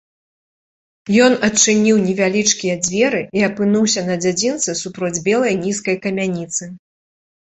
Ён адчыніў невялічкія дзверы і апынуўся на дзядзінцы супроць белай нізкай камяніцы.